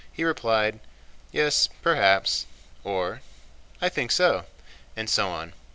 —he replied: "Yes, perhaps," or, "I think so," and so on.